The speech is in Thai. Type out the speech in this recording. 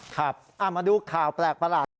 ครับมาดูข่าวแปลกประหลาด